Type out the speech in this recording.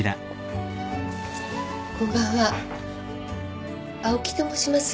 こんばんは青木と申します。